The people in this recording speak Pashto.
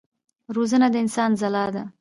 روزنه د انسان ځلا ده.